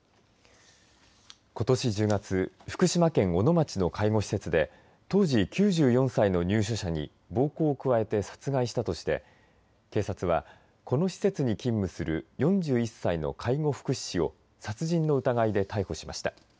ことし１０月福島県小野町の介護施設で当時９４歳の入所者に暴行を加えて殺害したとして警察は、この施設に勤務する４１歳の介護福祉士を殺人の疑いで逮捕しました。